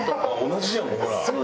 同じじゃんほら。